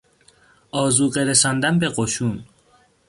آذوقه رساندن به قشون